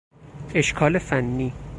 اشکال فنی